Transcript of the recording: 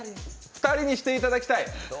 ２人にしていただきたい。